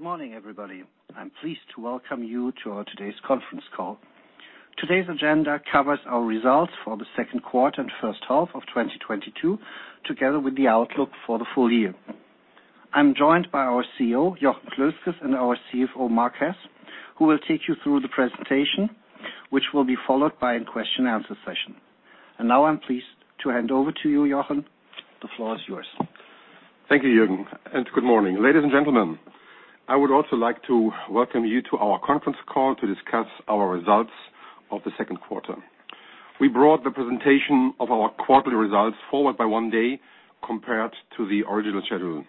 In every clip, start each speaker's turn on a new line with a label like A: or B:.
A: Good morning, everybody. I'm pleased to welcome you to our today's conference call. Today's agenda covers our results for the second quarter and first half of 2022, together with the outlook for the full year. I'm joined by our CEO, Jochen Klösges, and our CFO, Marc Heß, who will take you through the presentation, which will be followed by a question and answer session. Now I'm pleased to hand over to you, Jochen. The floor is yours.
B: Thank you, Jochen, and good morning. Ladies and gentlemen, I would also like to welcome you to our conference call to discuss our results of the second quarter. We brought the presentation of our quarterly results forward by one day compared to the original schedule.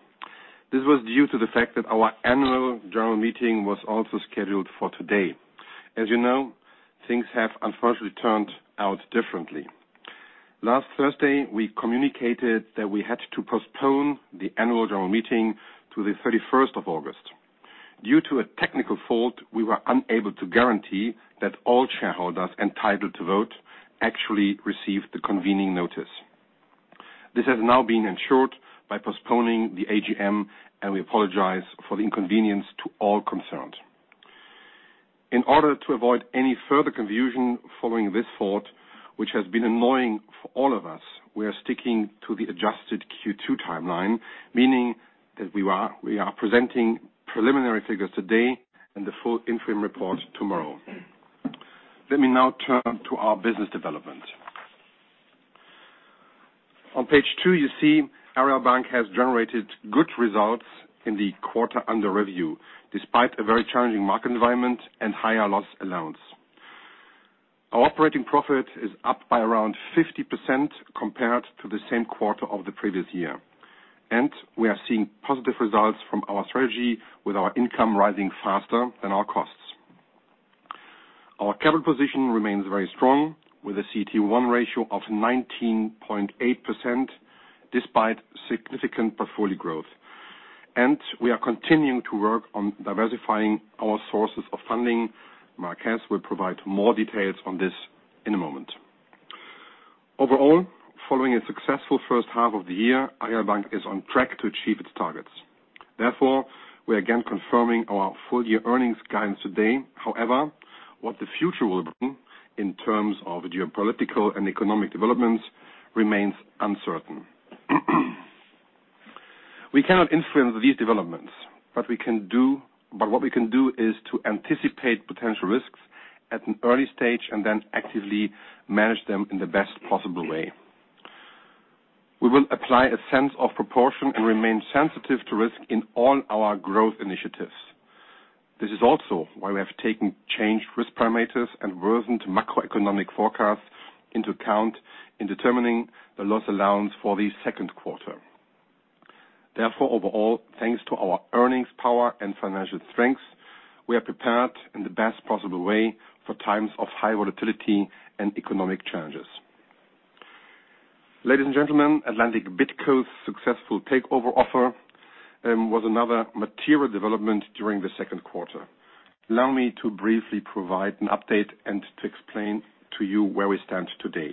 B: This was due to the fact that our annual general meeting was also scheduled for today. As you know, things have unfortunately turned out differently. Last Thursday, we communicated that we had to postpone the annual general meeting to the thirty-first of August. Due to a technical fault, we were unable to guarantee that all shareholders entitled to vote actually received the convening notice. This has now been ensured by postponing the AGM, and we apologize for the inconvenience to all concerned. In order to avoid any further confusion following this fault, which has been annoying for all of us, we are sticking to the adjusted Q2 timeline, meaning that we are presenting preliminary figures today and the full interim report tomorrow. Let me now turn to our business development. On page 2, you see Aareal Bank has generated good results in the quarter under review, despite a very challenging market environment and higher loss allowance. Our operating profit is up by around 50% compared to the same quarter of the previous year, and we are seeing positive results from our strategy with our income rising faster than our costs. Our capital position remains very strong with a CET1 ratio of 19.8% despite significant portfolio growth. We are continuing to work on diversifying our sources of funding. Marc Heß will provide more details on this in a moment. Overall, following a successful first half of the year, Aareal Bank is on track to achieve its targets. Therefore, we are again confirming our full-year earnings guidance today. However, what the future will bring in terms of geopolitical and economic developments remains uncertain. We cannot influence these developments, but what we can do is to anticipate potential risks at an early stage and then actively manage them in the best possible way. We will apply a sense of proportion and remain sensitive to risk in all our growth initiatives. This is also why we have taken changed risk parameters and worsened macroeconomic forecasts into account in determining the loss allowance for the second quarter. Therefore, overall, thanks to our earnings power and financial strength, we are prepared in the best possible way for times of high volatility and economic challenges. Ladies and gentlemen, Atlantic BidCo's successful takeover offer was another material development during the second quarter. Allow me to briefly provide an update and to explain to you where we stand today.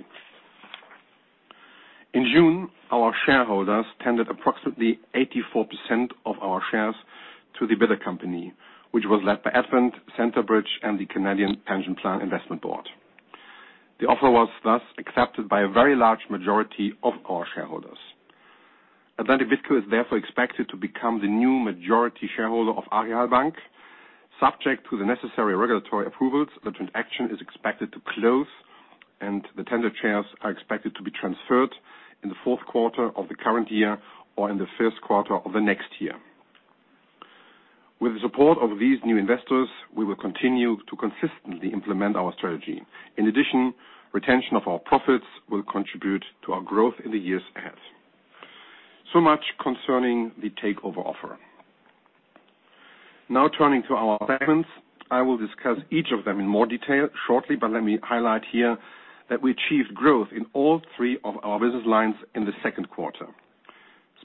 B: In June, our shareholders tendered approximately 84% of our shares to the bidder company, which was led by Advent, Centerbridge, and the Canada Pension Plan Investment Board. The offer was thus accepted by a very large majority of our shareholders. Atlantic BidCo is therefore expected to become the new majority shareholder of Aareal Bank. Subject to the necessary regulatory approvals, the transaction is expected to close and the tender shares are expected to be transferred in the fourth quarter of the current year or in the first quarter of the next year. With the support of these new investors, we will continue to consistently implement our strategy. In addition, retention of our profits will contribute to our growth in the years ahead. Much concerning the takeover offer. Now turning to our segments, I will discuss each of them in more detail shortly, but let me highlight here that we achieved growth in all three of our business lines in the second quarter.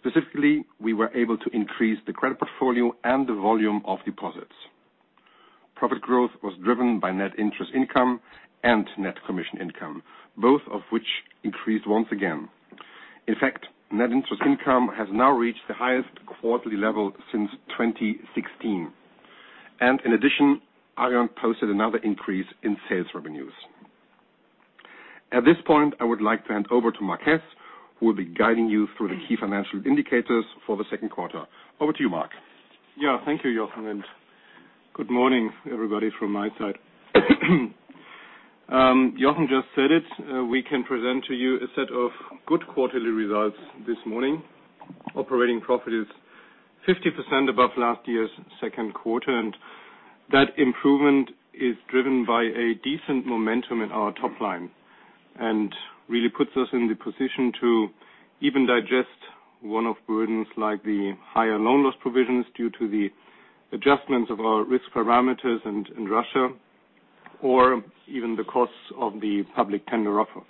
B: Specifically, we were able to increase the credit portfolio and the volume of deposits. Profit growth was driven by net interest income and net commission income, both of which increased once again. In fact, net interest income has now reached the highest quarterly level since 2016. In addition, Aareal posted another increase in sales revenues. At this point, I would like to hand over to Marc, who will be guiding you through the key financial indicators for the second quarter. Over to you, Marc.
C: Yeah. Thank you, Jochen, and good morning, everybody from my side. Jochen just said it, we can present to you a set of good quarterly results this morning. Operating profit is 50% above last year's second quarter, and that improvement is driven by a decent momentum in our top line and really puts us in the position to even digest one-off burdens like the higher loan loss provisions due to the adjustments of our risk parameters in Russia or even the costs of the public tender offer.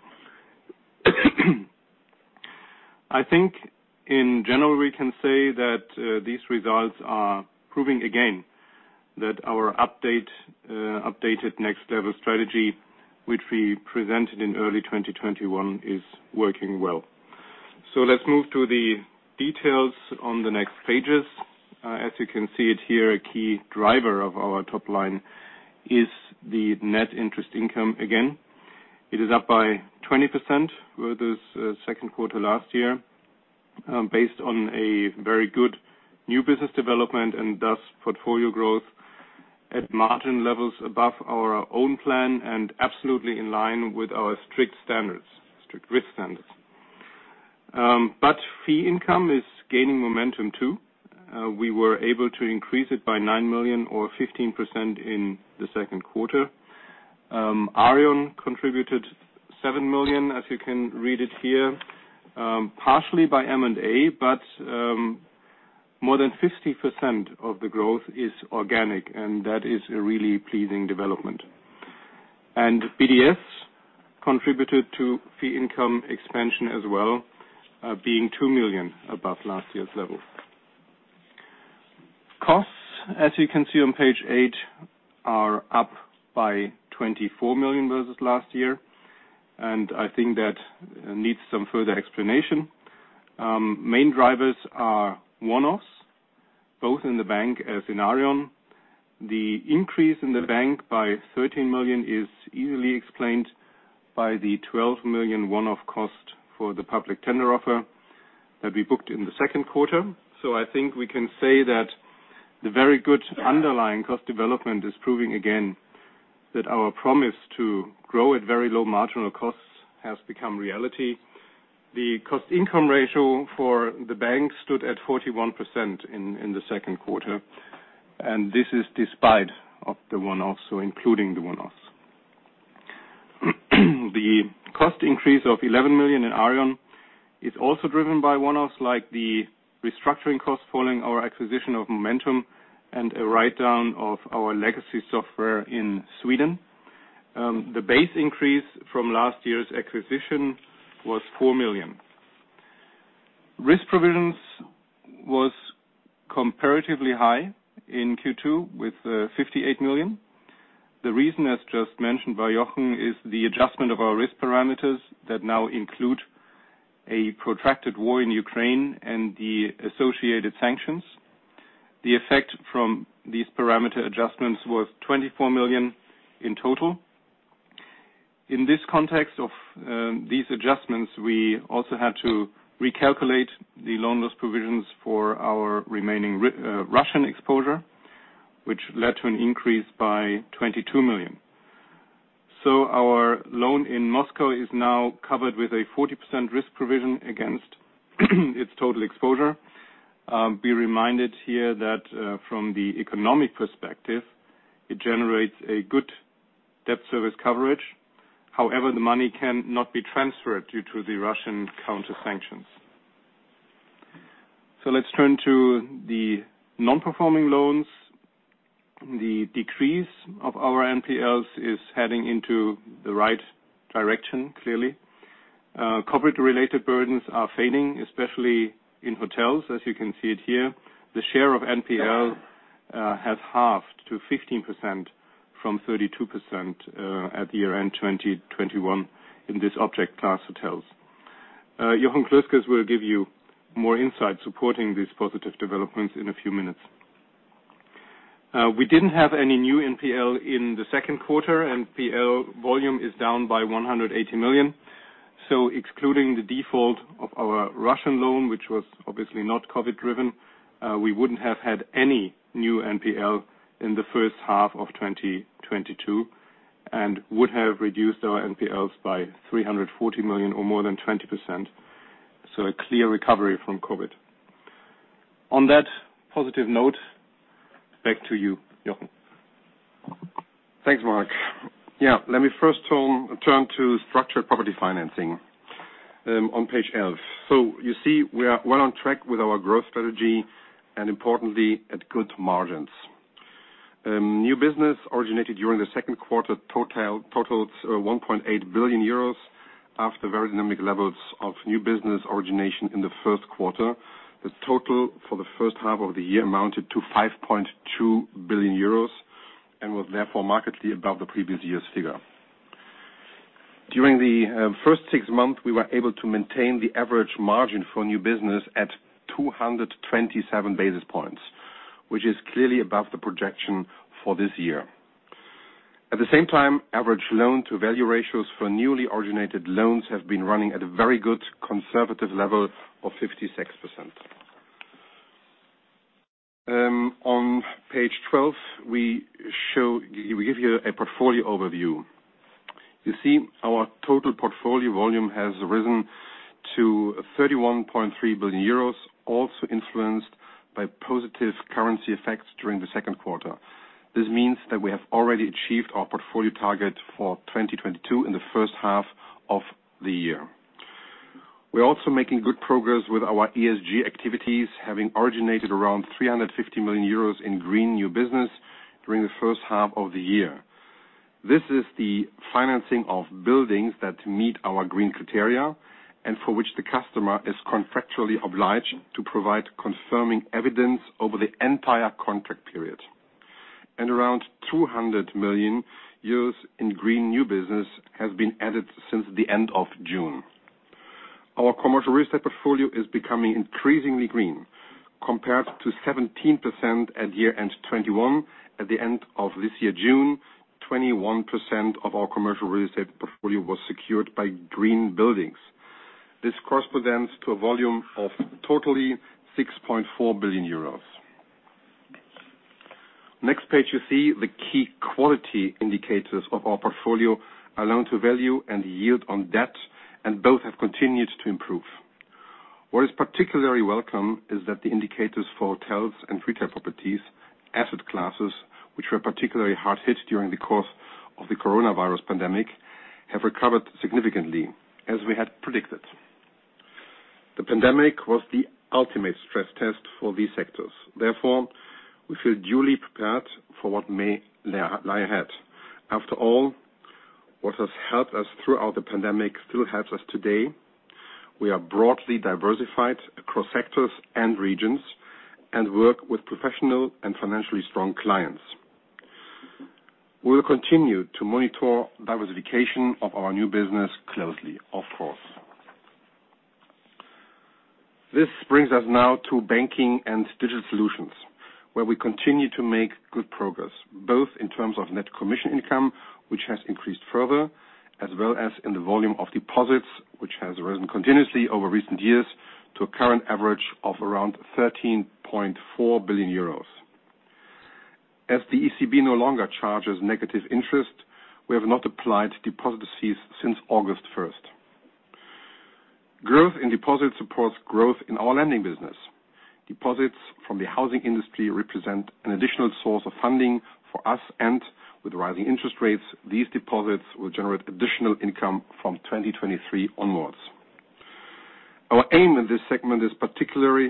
C: I think in general, we can say that these results are proving again that our updated Next Level strategy, which we presented in early 2021, is working well. Let's move to the details on the next pages. As you can see it here, a key driver of our top line is the net interest income again. It is up by 20% versus second quarter last year, based on a very good new business development and thus portfolio growth at margin levels above our own plan and absolutely in line with our strict standards, strict risk standards. Fee income is gaining momentum too. We were able to increase it by 9 million or 15% in the second quarter. Aareon contributed 7 million, as you can read it here, partially by M&A. More than 50% of the growth is organic, and that is a really pleasing development. BDS contributed to fee income expansion as well, being 2 million above last year's level. Costs, as you can see on page 8, are up by 24 million versus last year. I think that needs some further explanation. Main drivers are one-offs, both in the bank as in Aareon. The increase in the bank by 13 million is easily explained by the 12 million one-off cost for the public tender offer that we booked in the second quarter. I think we can say that the very good underlying cost development is proving again that our promise to grow at very low marginal costs has become reality. The cost-income ratio for the bank stood at 41% in the second quarter, and this is despite the one-offs, so including the one-offs. The cost increase of 11 million in Aareon is also driven by one-offs like the restructuring costs following our acquisition of Momentum and a write-down of our legacy software in Sweden. The base increase from last year's acquisition was 4 million. Risk provisions was comparatively high in Q2 with 58 million. The reason, as just mentioned by Jochen, is the adjustment of our risk parameters that now include a protracted war in Ukraine and the associated sanctions. The effect from these parameter adjustments was 24 million in total. In this context of these adjustments, we also had to recalculate the loan loss provisions for our remaining Russian exposure, which led to an increase by 22 million. Our loan in Moscow is now covered with a 40% risk provision against its total exposure. Be reminded here that, from the economic perspective, it generates a good debt service coverage. However, the money cannot be transferred due to the Russian counter-sanctions. Let's turn to the non-performing loans. The decrease of our NPLs is heading into the right direction, clearly. COVID-related burdens are fading, especially in hotels, as you can see it here. The share of NPL has halved to 15% from 32% at year-end 2021 in this object class hotels. Jochen Klösges will give you more insight supporting these positive developments in a few minutes. We didn't have any new NPL in the second quarter. NPL volume is down by 180 million. Excluding the default of our Russian loan, which was obviously not COVID-driven, we wouldn't have had any new NPL in the first half of 2022 and would have reduced our NPLs by 340 million or more than 20%. A clear recovery from COVID. On that positive note, back to you, Jochen.
B: Thanks, Marc. Yeah. Let me first turn to structured property financing on page F. You see we are well on track with our growth strategy and importantly at good margins. New business originated during the second quarter totals 1.8 billion euros after very dynamic levels of new business origination in the first quarter. The total for the first half of the year amounted to 5.2 billion euros and was therefore markedly above the previous year's figure. During the first six months, we were able to maintain the average margin for new business at 227 basis points, which is clearly above the projection for this year. At the same time, average loan to value ratios for newly originated loans have been running at a very good conservative level of 56%. On page twelve, we give you a portfolio overview. You see our total portfolio volume has risen to 31.3 billion euros, also influenced by positive currency effects during the second quarter. This means that we have already achieved our portfolio target for 2022 in the first half of the year. We're also making good progress with our ESG activities, having originated around 350 million euros in green new business during the first half of the year. This is the financing of buildings that meet our green criteria, and for which the customer is contractually obliged to provide confirming evidence over the entire contract period. Around 200 million euros in green new business has been added since the end of June. Our commercial real estate portfolio is becoming increasingly green. Compared to 17% at year-end 2021, at the end of this year, June, 21% of our commercial real estate portfolio was secured by green buildings. This corresponds to a volume of total 6.4 billion euros. Next page you see the key quality indicators of our portfolio: loan-to-value and yield on debt, and both have continued to improve. What is particularly welcome is that the indicators for hotels and retail properties, asset classes which were particularly hard hit during the course of the coronavirus pandemic, have recovered significantly, as we had predicted. The pandemic was the ultimate stress test for these sectors. Therefore, we feel duly prepared for what may lie ahead. After all, what has helped us throughout the pandemic still helps us today. We are broadly diversified across sectors and regions and work with professional and financially strong clients. We will continue to monitor diversification of our new business closely, of course. This brings us now to Banking & Digital Solutions, where we continue to make good progress, both in terms of net commission income, which has increased further, as well as in the volume of deposits, which has risen continuously over recent years to a current average of around 13.4 billion euros. As the ECB no longer charges negative interest, we have not applied deposit fees since August 1. Growth in deposits supports growth in our lending business. Deposits from the housing industry represent an additional source of funding for us, and with rising interest rates, these deposits will generate additional income from 2023 onwards. Our aim in this segment is particularly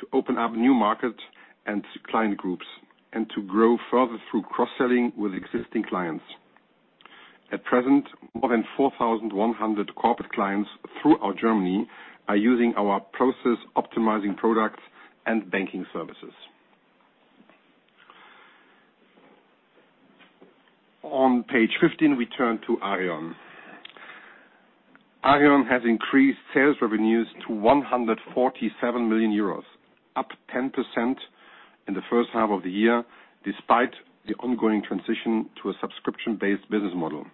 B: to open up new markets and client groups and to grow further through cross-selling with existing clients. At present, more than 4,100 corporate clients throughout Germany are using our process optimizing products and banking services. On page 15, we turn to Aareon. Aareon has increased sales revenues to 147 million euros, up 10% in the first half of the year, despite the ongoing transition to a subscription-based business model.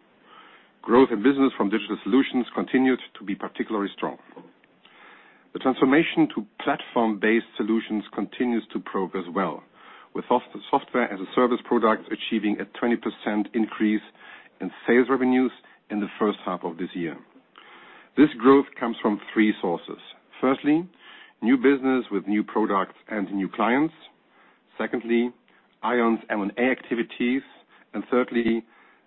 B: Growth in business from digital solutions continued to be particularly strong. The transformation to platform-based solutions continues to progress well, with software as a service product achieving a 20% increase in sales revenues in the first half of this year. This growth comes from three sources. Firstly, new business with new products and new clients. Secondly, Aareon's M&A activities. Thirdly,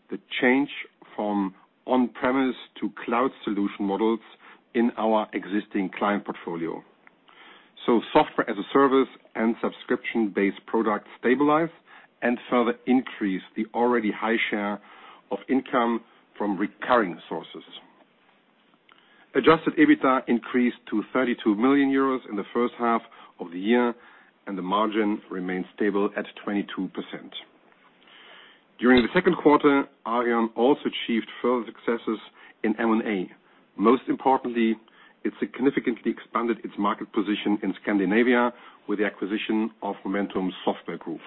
B: the change from on-premise to cloud solution models in our existing client portfolio. Software-as-a-service and subscription-based products stabilize and further increase the already high share of income from recurring sources. Adjusted EBITDA increased to 32 million euros in the first half of the year, and the margin remained stable at 22%. During the second quarter, Aareon also achieved further successes in M&A. Most importantly, it significantly expanded its market position in Scandinavia with the acquisition of Momentum Software Group.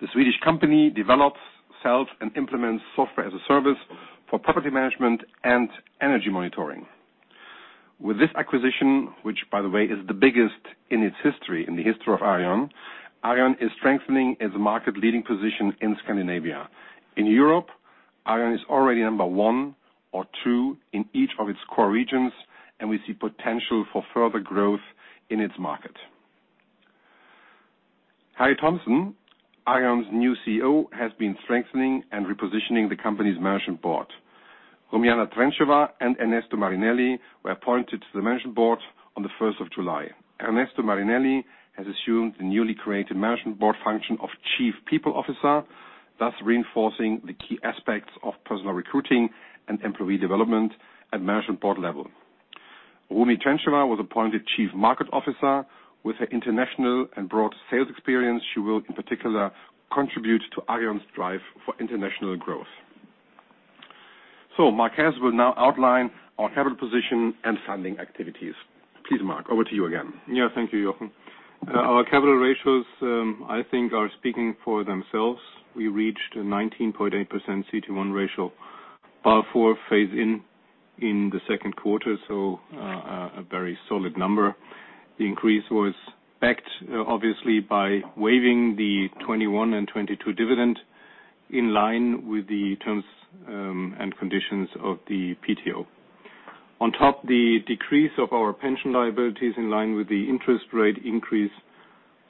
B: The Swedish company develops, sells, and implements software as a service for property management and energy monitoring. With this acquisition, which by the way, is the biggest in its history, in the history of Aareon is strengthening its market-leading position in Scandinavia. In Europe, Aareon is already number one or two in each of its core regions, and we see potential for further growth in its market. Harry Thomsen, Aareon's new CEO, has been strengthening and repositioning the company's management board. Rumyana Trencheva and Ernesto Marinelli were appointed to the management board on the first of July. Ernesto Marinelli has assumed the newly created management board function of Chief People Officer, thus reinforcing the key aspects of personnel recruiting and employee development at management board level. Rumyana Trencheva was appointed Chief Revenue Officer. With her international and broad sales experience, she will in particular contribute to Aareon's drive for international growth. Marc Heß will now outline our capital position and funding activities. Please, Marc, over to you again.
C: Yeah, thank you, Jochen. Our capital ratios, I think are speaking for themselves. We reached a 19.8% CET1 ratio, Basel IV phase-in in the second quarter, a very solid number. The increase was backed, obviously by waiving the 2021 and 2022 dividend in line with the terms, and conditions of the PTO. On top, the decrease of our pension liabilities in line with the interest rate increase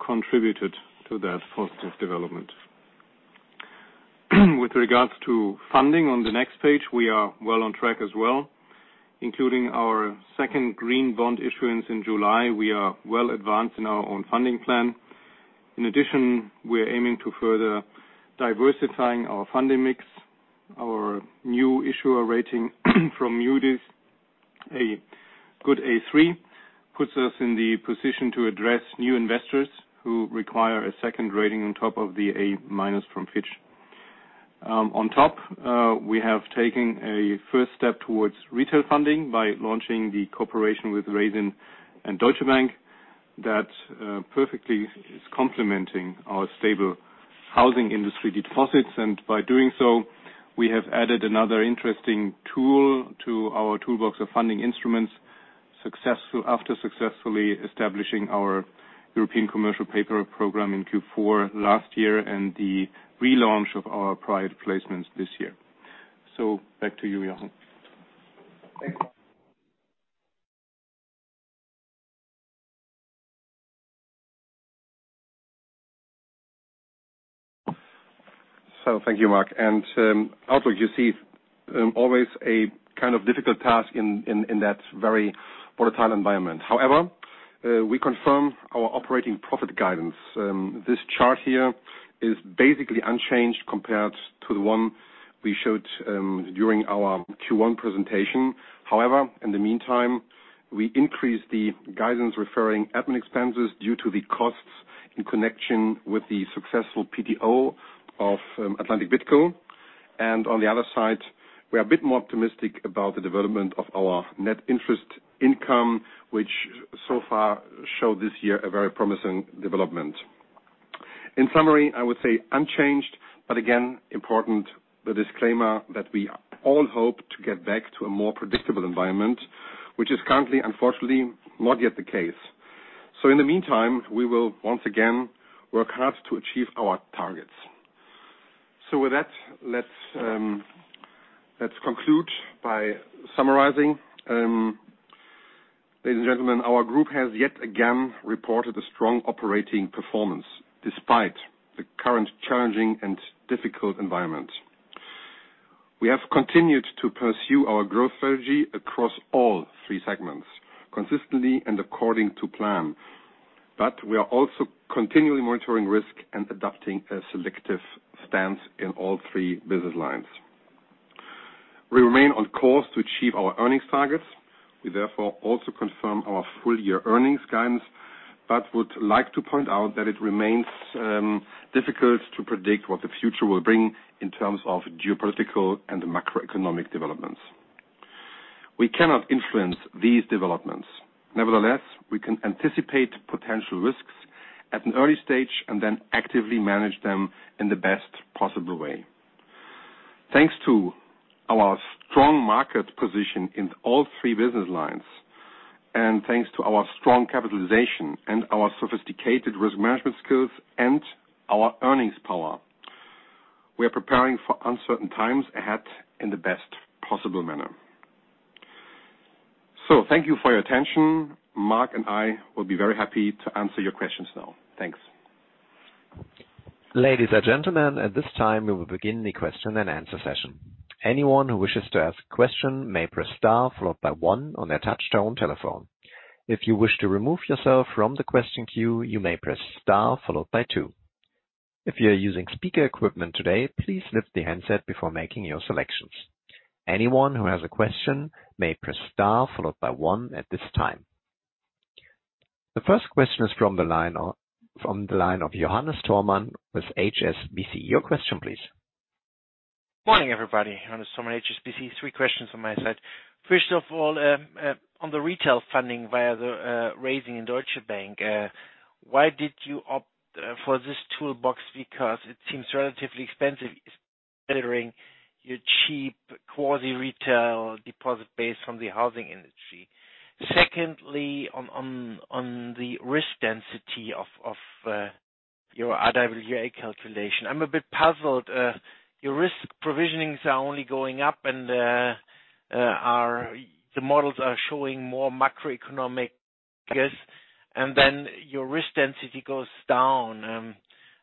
C: contributed to that positive development. With regards to funding on the next page, we are well on track as well, including our second green bond issuance in July. We are well advanced in our own funding plan. In addition, we are aiming to further diversifying our funding mix. Our new issuer rating from Moody's A3 puts us in the position to address new investors who require a second rating on top of the A- from Fitch. On top, we have taken a first step towards retail funding by launching the cooperation with Raisin and Deutsche Bank that perfectly is complementing our stable housing industry deposits. By doing so, we have added another interesting tool to our toolbox of funding instruments after successfully establishing our European commercial paper program in Q4 last year and the relaunch of our private placements this year. Back to you, Jochen.
B: Thanks. Thank you, Marc. Also you see, always a kind of difficult task in that very volatile environment. However, we confirm our operating profit guidance. This chart here is basically unchanged compared to the one we showed during our Q1 presentation. However, in the meantime, we increased the guidance referring admin expenses due to the costs in connection with the successful PTO of Atlantic BidCo. On the other side, we are a bit more optimistic about the development of our net interest income, which so far showed this year a very promising development. In summary, I would say unchanged, but again important the disclaimer that we all hope to get back to a more predictable environment, which is currently unfortunately not yet the case. In the meantime, we will once again work hard to achieve our targets. With that, let's conclude by summarizing. Ladies and gentlemen, our group has yet again reported a strong operating performance despite the current challenging and difficult environment. We have continued to pursue our growth strategy across all three segments consistently and according to plan, but we are also continually monitoring risk and adapting a selective stance in all three business lines. We remain on course to achieve our earnings targets. We therefore also confirm our full year earnings guidance, but would like to point out that it remains difficult to predict what the future will bring in terms of geopolitical and macroeconomic developments. We cannot influence these developments. Nevertheless, we can anticipate potential risks at an early stage and then actively manage them in the best possible way. Thanks to our strong market position in all three business lines, and thanks to our strong capitalization and our sophisticated risk management skills and our earnings power, we are preparing for uncertain times ahead in the best possible manner. Thank you for your attention. Marc and I will be very happy to answer your questions now. Thanks.
D: Ladies and gentlemen, at this time we will begin the question and answer session. Anyone who wishes to ask a question may press star followed by one on their touchtone telephone. If you wish to remove yourself from the question queue, you may press star followed by two. If you're using speaker equipment today, please lift the handset before making your selections. Anyone who has a question may press star followed by one at this time. The first question is from the line of Johannes Thormann with HSBC. Your question please.
E: Morning, everybody. Johannes Thormann, HSBC. Three questions on my side. First of all, on the retail funding via the Raisin and Deutsche Bank, why did you opt for this toolbox? Because it seems relatively expensive considering your cheap quasi-retail deposit base from the housing industry. Secondly, on the risk density of your RWA calculation. I'm a bit puzzled. Your risk provisionings are only going up and the models are showing more macroeconomic risk, and then your risk density goes down.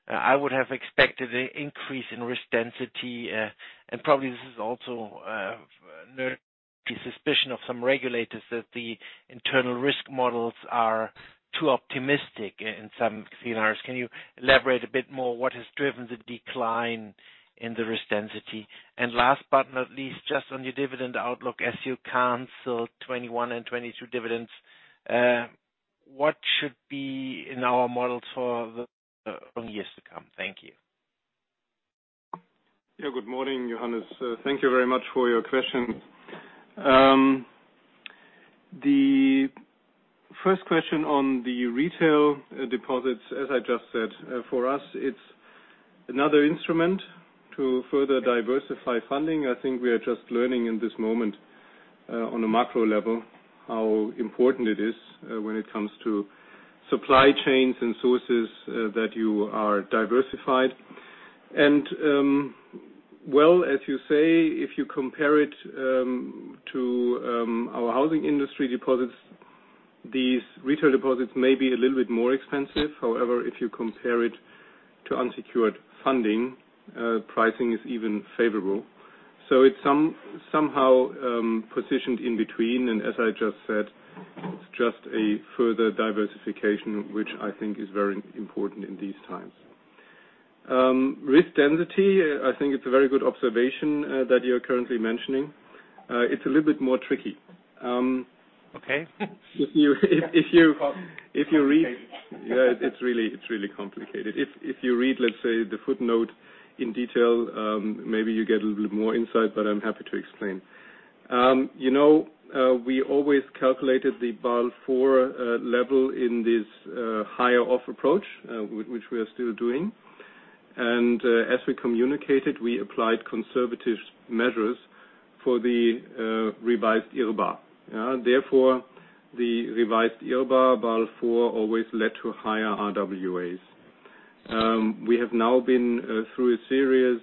E: I would have expected an increase in risk density. Probably this is also nurturing the suspicion of some regulators that the internal risk models are too optimistic in some scenarios. Can you elaborate a bit more what has driven the decline in the risk density? Last but not least, just on your dividend outlook, as you cancel 2021 and 2022 dividends, what should be in our models for the coming years to come? Thank you.
B: Yeah. Good morning, Johannes. Thank you very much for your question. The first question on the retail deposits, as I just said, for us, it's another instrument to further diversify funding. I think we are just learning in this moment, on a macro level, how important it is, when it comes to supply chains and sources, that you are diversified. Well, as you say, if you compare it to our housing industry deposits, these retail deposits may be a little bit more expensive. However, if you compare it to unsecured funding, pricing is even favorable. It's somehow positioned in between. As I just said, it's just a further diversification, which I think is very important in these times.
C: Risk density, I think it's a very good observation that you're currently mentioning. It's a little bit more tricky.
E: Okay. If you read- Complicated. Yeah, it's really complicated. If you read, let's say, the footnote in detail, maybe you get a little bit more insight, but I'm happy to explain. You know, we always calculated the Basel IV level in this higher-of approach, which we are still doing. As we communicated, we applied conservative measures for the revised IRBA. Therefore, the revised IRBA Basel IV always led to higher RWAs. We have now been through a series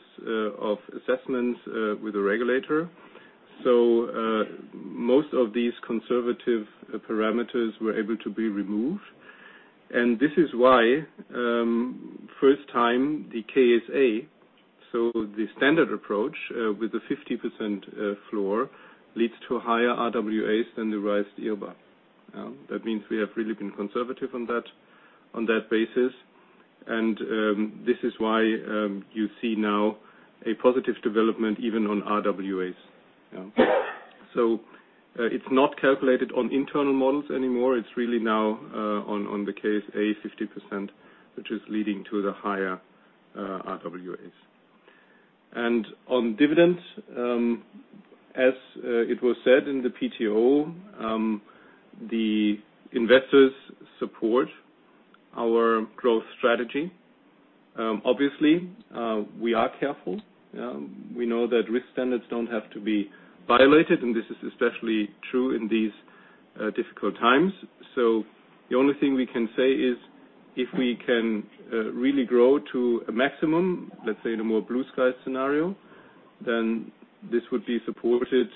E: of assessments with the regulator. Most of these conservative parameters were able to be removed, and this is why, first time the KSA, so the standard approach, with the 50% floor, leads to higher RWAs than the revised IRBA. That means we have really been conservative on that basis.
C: This is why you see now a positive development even on RWAs. Yeah. It's not calculated on internal models anymore. It's really now on the KSA 50%, which is leading to the higher RWAs. On dividends, as it was said in the PTO, the investors support our growth strategy. Obviously, we are careful. We know that risk standards don't have to be violated, and this is especially true in these difficult times. The only thing we can say is if we can really grow to a maximum, let's say in a more blue-sky scenario, then this would be supported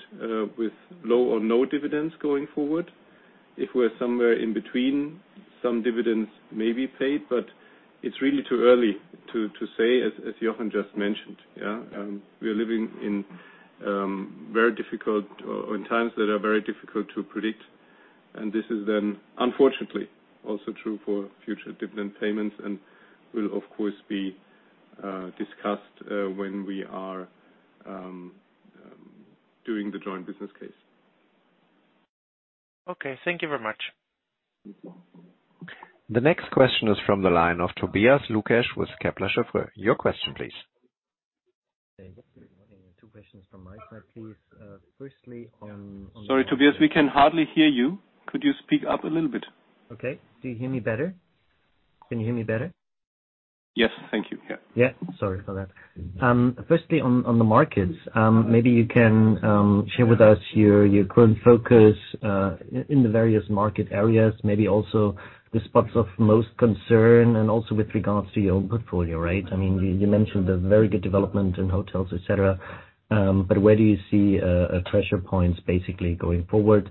C: with low or no dividends going forward. If we're somewhere in between, some dividends may be paid, but it's really too early to say, as Jochen just mentioned. Yeah. We are living in very difficult times that are very difficult to predict, and this is then unfortunately also true for future dividend payments and will of course be discussed when we are doing the joint business case.
E: Okay. Thank you very much.
D: The next question is from the line of Tobias Lukesch with Kepler Cheuvreux. Your question please.
F: Two questions from my side, please. Firstly,
C: Sorry, Tobias, we can hardly hear you. Could you speak up a little bit?
F: Okay. Do you hear me better? Can you hear me better?
C: Yes. Thank you. Yeah.
F: Sorry for that. Firstly, on the markets, maybe you can share with us your current focus in the various market areas, maybe also the spots of most concern and also with regards to your own portfolio, right? I mean, you mentioned the very good development in hotels, et cetera, but where do you see pressure points basically going forward?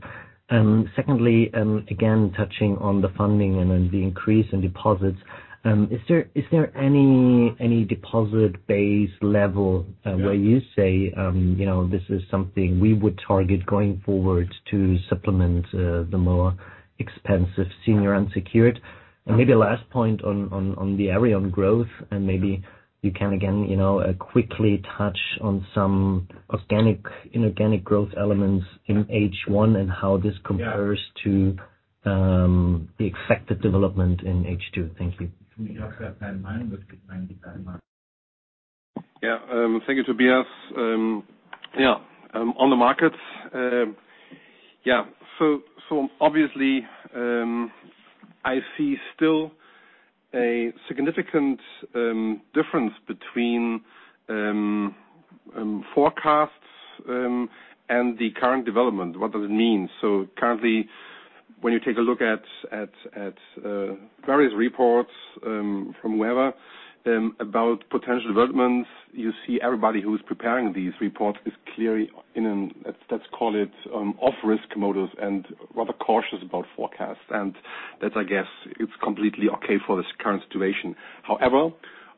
F: Secondly, again, touching on the funding and then the increase in deposits, is there any deposit base level,
C: Yeah.
F: where you say, you know, this is something we would target going forward to supplement the more expensive senior unsecured? Maybe last point on Aareon growth, and maybe you can again, you know, quickly touch on some organic, inorganic growth elements in H1 and how this compares-
C: Yeah.
F: to the expected development in H2. Thank you.
C: Yeah. Thank you, Tobias. Yeah, on the markets, yeah. Obviously, I see still a significant difference between forecasts and the current development. What does it mean? Currently, when you take a look at various reports from wherever about potential developments, you see everybody who's preparing these reports is clearly in a, let's call it, risk-off mode and rather cautious about forecasts. That's, I guess, completely okay for this current situation. However,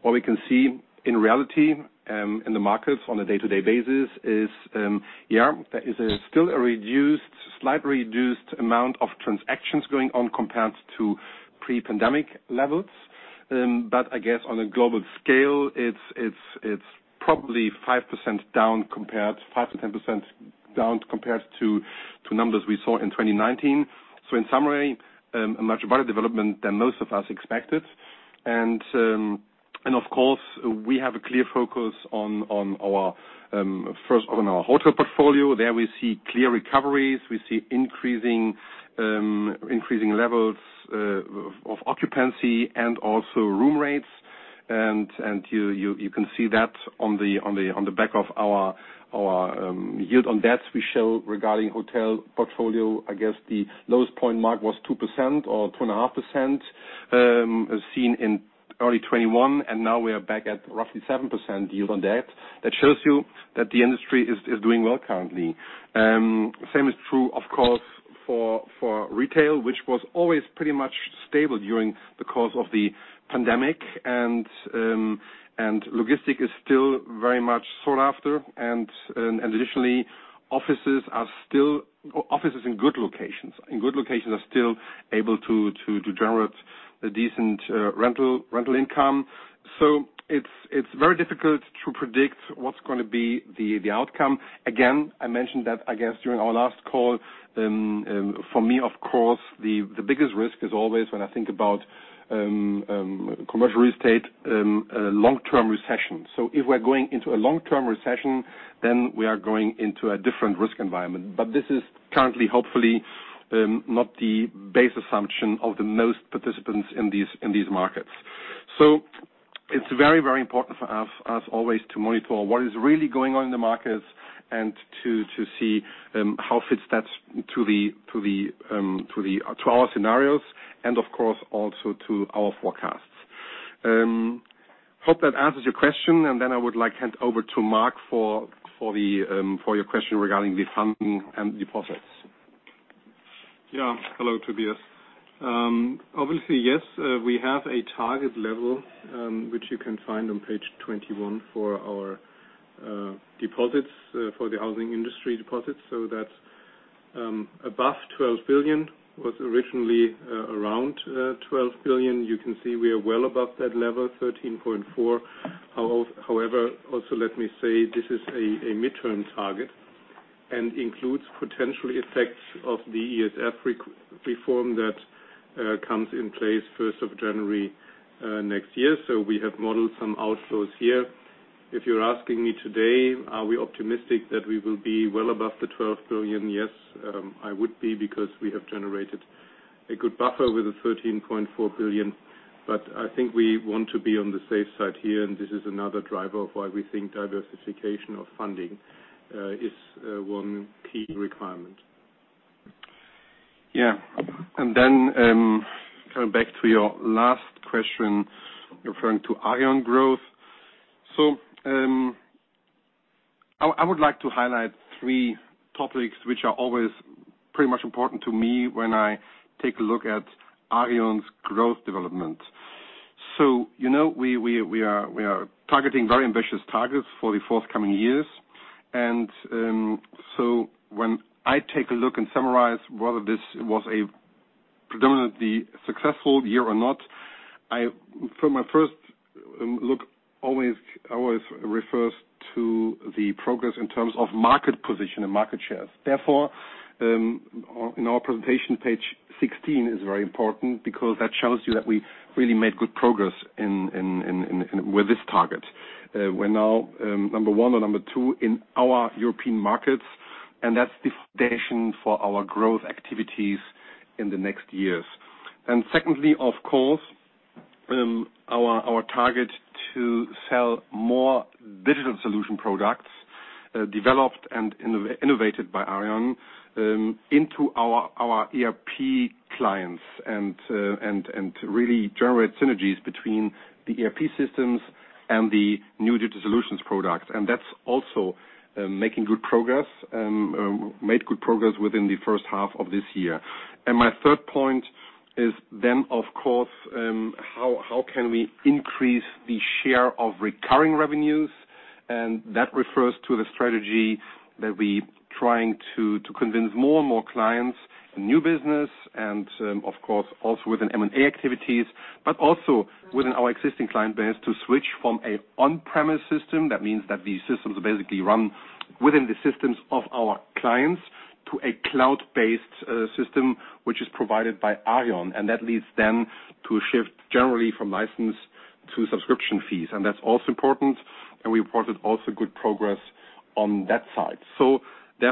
C: what we can see in reality in the markets on a day-to-day basis is, yeah, there is still a slightly reduced amount of transactions going on compared to pre-pandemic levels. I guess on a global scale, it's probably 5%-10% down compared to numbers we saw in 2019. In summary, a much better development than most of us expected. Of course, we have a clear focus first on our hotel portfolio. There we see clear recoveries. We see increasing levels of occupancy and also room rates. You can see that on the back of our yield on debt we show regarding hotel portfolio. I guess the lowest point mark was 2% or 2.5%, as seen in early 2021, and now we are back at roughly 7% yield on debt. That shows you that the industry is doing well currently. Same is true, of course, for retail, which was always pretty much stable during the course of the pandemic. Logistics is still very much sought after.
B: Offices in good locations are still able to generate a decent rental income. It's very difficult to predict what's gonna be the outcome. Again, I mentioned that, I guess, during our last call. For me, of course, the biggest risk is always when I think about commercial real estate long-term recession. If we're going into a long-term recession, then we are going into a different risk environment. This is currently, hopefully, not the base assumption of the most participants in these markets. It's very, very important for us always to monitor what is really going on in the markets and to see how that fits to our scenarios and of course, also to our forecasts. I hope that answers your question, and then I would like to hand over to Marc for your question regarding the funding and deposits.
C: Yeah. Hello, Tobias. Obviously, yes, we have a target level, which you can find on page 21 for our deposits for the housing industry deposits. That's above 12 billion, was originally around 12 billion. You can see we are well above that level, 13.4 billion. However, also let me say this is a midterm target and includes potential effects of the WEG reform that comes in place first of January next year. We have modeled some outflows here. If you're asking me today, are we optimistic that we will be well above the 12 billion? Yes, I would be because we have generated a good buffer with the 13.4 billion. I think we want to be on the safe side here, and this is another driver of why we think diversification of funding is one key requirement.
B: Yeah, kind of back to your last question referring to Aareon growth. I would like to highlight three topics which are always pretty much important to me when I take a look at Aareon's growth development. You know, we are targeting very ambitious targets for the forthcoming years. When I take a look and summarize whether this was a predominantly successful year or not, for my first look always refers to the progress in terms of market position and market shares. Therefore, in our presentation, page 16 is very important because that shows you that we really made good progress in with this target. We're now number one or number two in our European markets, and that's the foundation for our growth activities in the next years. Secondly, of course, our target to sell more digital solution products developed and innovated by Aareon into our ERP clients and to really generate synergies between the ERP systems and the new digital solutions products. That's also made good progress within the first half of this year. My third point is then, of course, how can we increase the share of recurring revenues? That refers to the strategy that we're trying to convince more and more clients in new business and, of course, also within M&A activities, but also within our existing client base to switch from an on-premise system, that means that these systems basically run within the systems of our clients, to a cloud-based system which is provided by Aareon. That leads them to shift generally from license to subscription fees. That's also important, and we also reported good progress on that side. We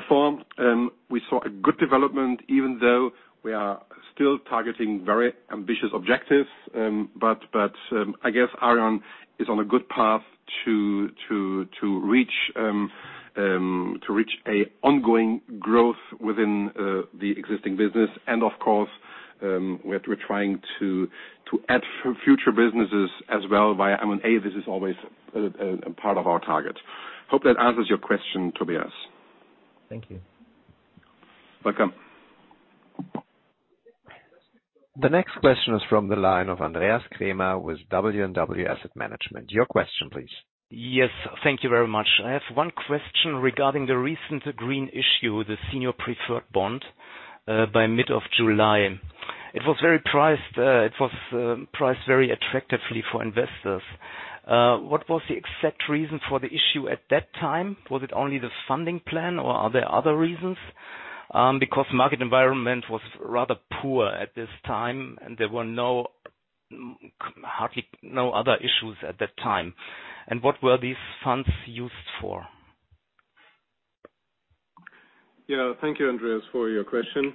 B: saw a good development even though we are still targeting very ambitious objectives. I guess Aareon is on a good path to reach an ongoing growth within the existing business. Of course, we have to add future businesses as well via M&A. This is always a part of our target. Hope that answers your question, Tobias.
F: Thank you.
B: Welcome.
D: The next question is from the line of Andreas Kremer with WNW Asset Management. Your question, please.
G: Yes. Thank you very much. I have one question regarding the recent green issue, the senior preferred bond, by mid-July. It was priced very attractively for investors. What was the exact reason for the issue at that time? Was it only the funding plan, or are there other reasons? Because the market environment was rather poor at this time, and there were hardly any other issues at that time. What were these funds used for?
C: Yeah. Thank you, Andreas, for your question.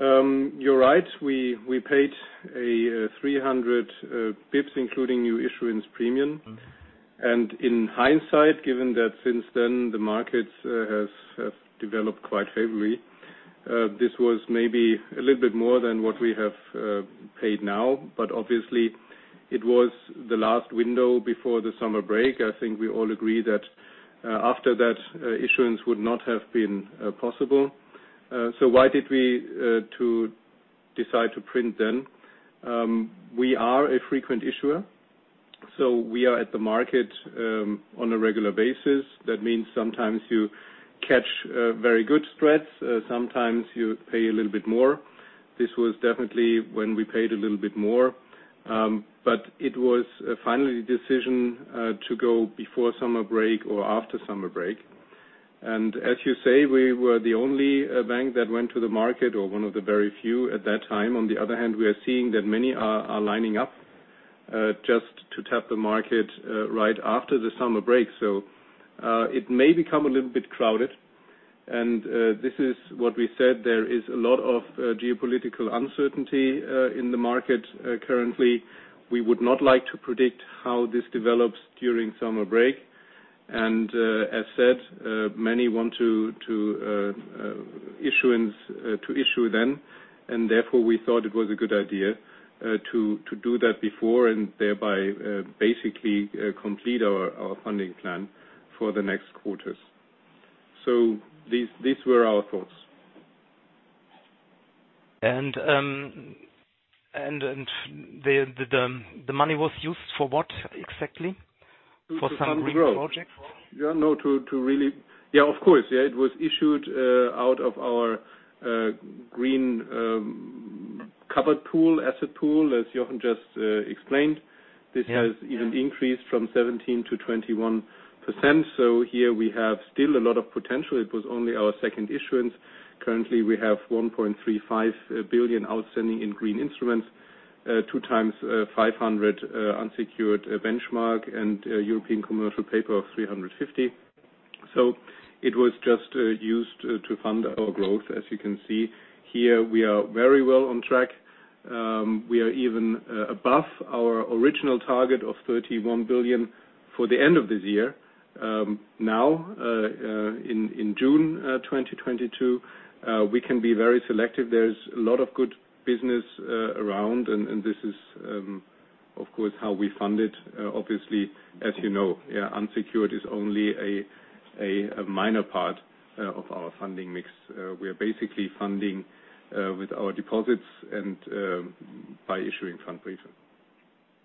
C: You're right, we paid 300 pips including new issuance premium. In hindsight, given that since then the market has developed quite favorably, this was maybe a little bit more than what we have paid now, but obviously it was the last window before the summer break. I think we all agree that after that, issuance would not have been possible. Why did we decide to print then? We are a frequent issuer. We are at the market on a regular basis. That means sometimes you catch very good spreads, sometimes you pay a little bit more. This was definitely when we paid a little bit more. It was a final decision to go before summer break or after summer break. As you say, we were the only bank that went to the market or one of the very few at that time. On the other hand, we are seeing that many are lining up just to tap the market right after the summer break. It may become a little bit crowded and this is what we said, there is a lot of geopolitical uncertainty in the market currently. We would not like to predict how this develops during summer break, and as said, many want to issue then, and therefore, we thought it was a good idea to do that before, and thereby basically complete our funding plan for the next quarters. These were our thoughts.
G: The money was used for what exactly? For some green projects?
C: Yeah, of course. Yeah, it was issued out of our green covered pool, asset pool, as Jochen just explained.
G: Yeah.
C: This has even increased from 17%-21%, so here we have still a lot of potential. It was only our second issuance. Currently, we have 1.35 billion outstanding in green instruments, two times 500 unsecured benchmark and European commercial paper of 350. It was just used to fund our growth. As you can see here, we are very well on track. We are even above our original target of 31 billion for the end of this year. Now in June 2022 we can be very selective. There's a lot of good business around and this is of course how we fund it. Obviously, as you know, unsecured is only a minor part of our funding mix. We are basically funding with our deposits and by issuing funds.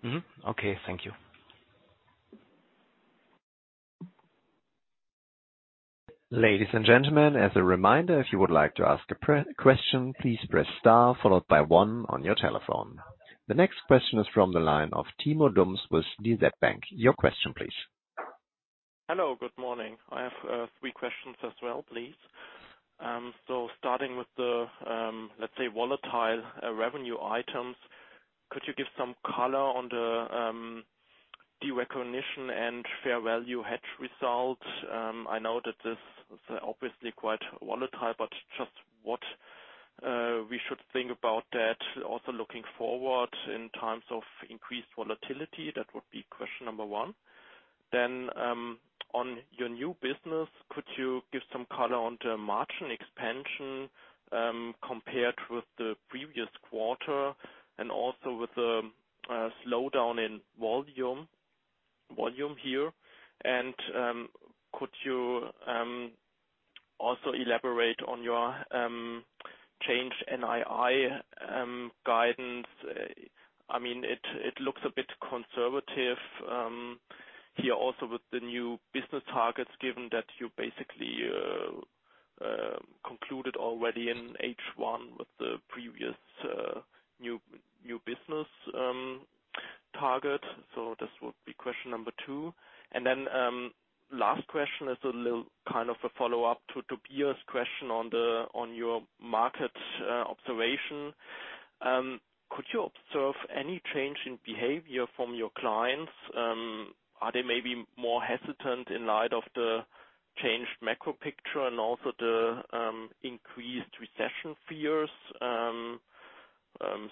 G: Mm-hmm. Okay, thank you.
D: Ladies and gentlemen, as a reminder, if you would like to ask a pre-question, please press star followed by one on your telephone. The next question is from the line of Timo Dums with DZ Bank. Your question please.
H: Hello, good morning. I have three questions as well, please. Starting with the, let's say, volatile revenue items, could you give some color on the derecognition and fair value hedge result? I know that this is obviously quite volatile, but just what we should think about that also looking forward in times of increased volatility, that would be question number one. On your new business, could you give some color on the margin expansion, compared with the previous quarter and also with the slowdown in volume here? Could you also elaborate on your change NII guidance? I mean, it looks a bit conservative, here also with the new business targets, given that you basically concluded already in H1 with the previous new business target. This would be question number two. Last question is a little, kind of a follow-up to Tobias' question on your market observation. Could you observe any change in behavior from your clients? Are they maybe more hesitant in light of the changed macro picture and also the increased recession fears,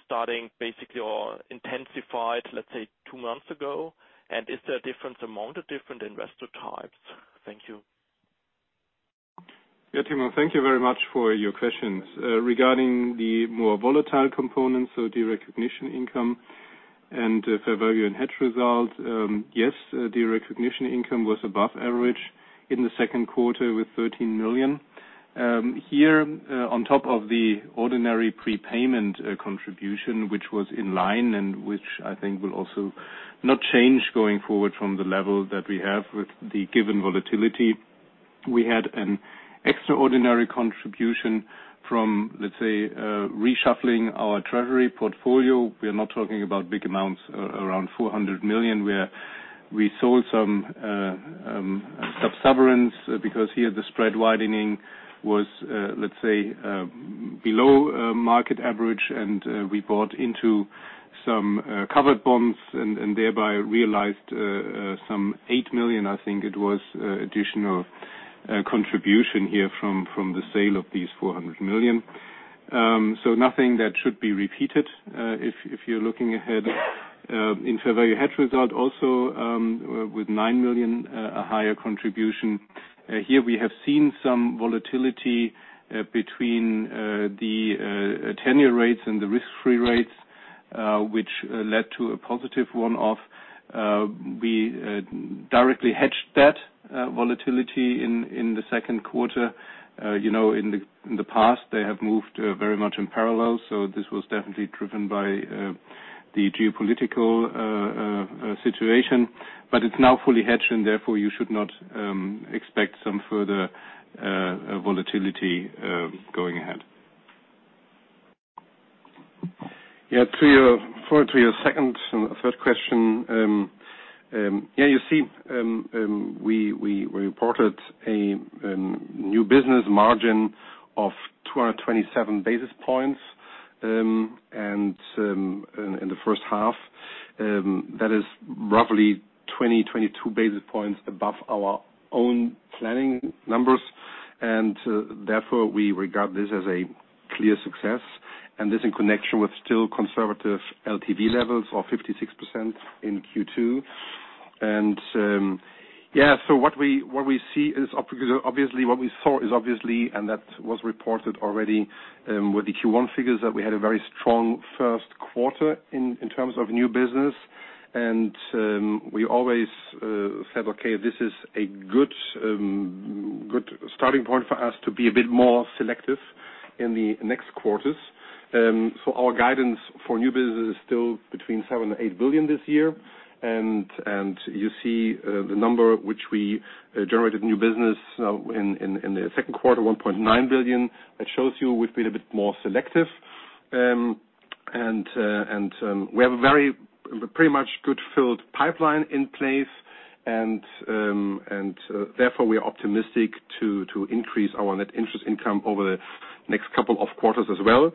H: starting basically or intensified, let's say, two months ago? Is there a difference among the different investor types? Thank you.
C: Yeah, Timo, thank you very much for your questions. Regarding the more volatile components, so derecognition income and fair value and hedge result, yes, derecognition income was above average in the second quarter with 13 million. Here, on top of the ordinary prepayment contribution, which was in line and which I think will also not change going forward from the level that we have with the given volatility. We had an extraordinary contribution from, let's say, reshuffling our treasury portfolio. We are not talking about big amounts, around 400 million, where we sold some sovereigns, because here the spread widening was, let's say, below market average, and we bought into some covered bonds and thereby realized some 8 million, I think it was, additional contribution here from the sale of these 400 million. Nothing that should be repeated if you're looking ahead. In fair value hedge result also, with 9 million, a higher contribution. Here we have seen some volatility between the ten-year rates and the risk-free rates, which led to a positive one-off. We directly hedged that.
B: Volatility in the second quarter. You know, in the past they have moved very much in parallel, so this was definitely driven by the geopolitical situation. But it's now fully hedged and therefore you should not expect some further volatility going ahead. To your second and third question, yeah, you see, we reported a new business margin of 227 basis points, and in the first half. That is roughly 22 basis points above our own planning numbers and therefore we regard this as a clear success. This in connection with still conservative LTV levels of 56% in Q2. What we see is obviously what we saw, and that was reported already with the Q1 figures that we had a very strong first quarter in terms of new business. We always said, "Okay, this is a good starting point for us to be a bit more selective in the next quarters." Our guidance for new business is still between 7 billion and 8 billion this year. You see the number which we generated new business in the second quarter, 1.9 billion. That shows you we've been a bit more selective. We have a very pretty much good filled pipeline in place and therefore we are optimistic to increase our net interest income over the next couple of quarters as well.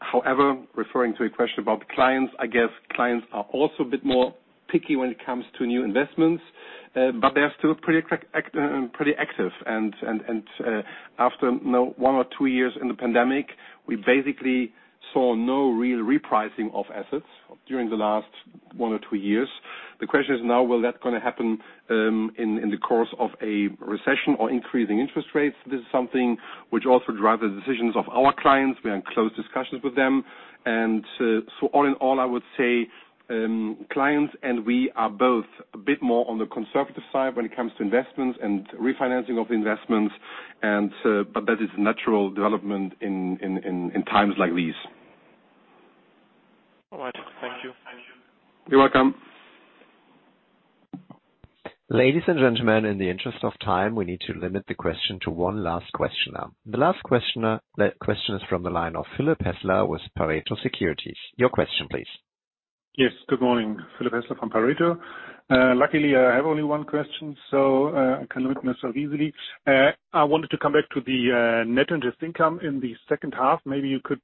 B: However, referring to a question about clients, I guess clients are also a bit more picky when it comes to new investments. They're still pretty active and after, you know, one or two years in the pandemic, we basically saw no real repricing of assets during the last one or two years. The question is now, will that gonna happen in the course of a recession or increasing interest rates. This is something which also drives the decisions of our clients. We are in close discussions with them. All in all, I would say clients and we are both a bit more on the conservative side when it comes to investments and refinancing of investments. That is natural development in times like these.
H: All right. Thank you.
B: You're welcome.
D: Ladies and gentlemen, in the interest of time, we need to limit the question to one last question now. The last question is from the line of Philipp Häßler with Pareto Securities. Your question please.
I: Yes. Good morning, Philipp Häßler from Pareto. Luckily, I have only one question, so I can make myself easily. I wanted to come back to the net interest income in the second half. Maybe you could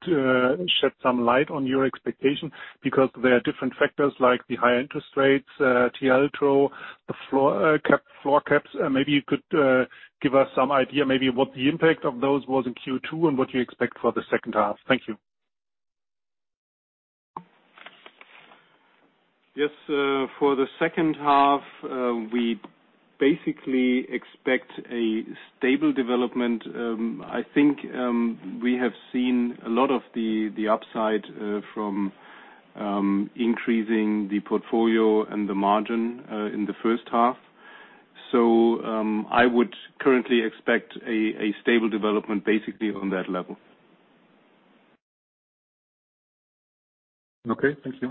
I: shed some light on your expectation because there are different factors like the high interest rates, TLTRO, the floor, cap, floor caps. Maybe you could give us some idea maybe what the impact of those was in Q2 and what you expect for the second half. Thank you.
B: Yes. For the second half, we basically expect a stable development. I think, we have seen a lot of the upside from increasing the portfolio and the margin in the first half. I would currently expect a stable development basically on that level.
I: Okay. Thank you.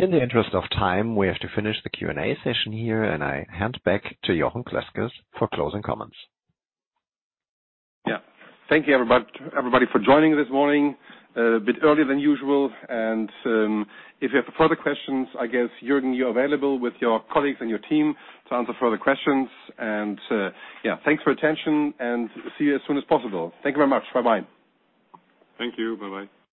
D: In the interest of time, we have to finish the Q&A session here, and I hand back to Jochen Klösges for closing comments.
B: Yeah. Thank you everybody for joining this morning a bit earlier than usual. If you have further questions, I guess, Jürgen, you're available with your colleagues and your team to answer further questions. Yeah. Thanks for attention and see you as soon as possible. Thank you very much. Bye-bye.
I: Thank you. Bye-bye.